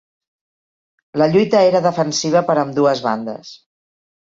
La lluita era defensiva per ambdues bandes